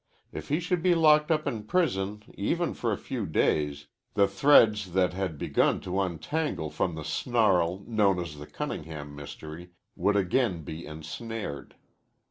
If he should be locked up in prison even for a few days the threads that he had begun to untangle from the snarl known as the Cunningham mystery would again be ensnared.